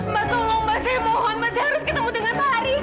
mbak tolong mbak saya mohon mbak saya harus ketemu dengan pak haris